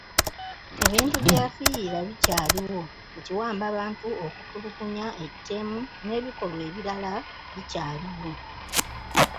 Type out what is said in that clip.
Ebintu bye yafiirira bikyaliwo; ekiwamba bantu, okutulugunya, ettemu n'ebikolwa ebirala bikyaliwo.